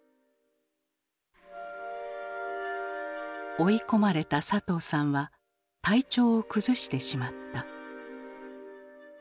追い込まれた佐藤さんは体調を崩してしまった。